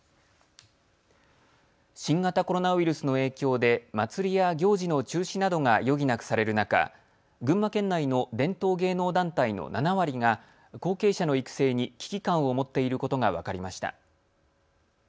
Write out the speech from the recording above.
新型コロナウイルスの影響で祭りや行事の中止などが余儀なくされる中、群馬県内の伝統芸能団体の７割が後継者の育成に危機感を持っていることが分かりました。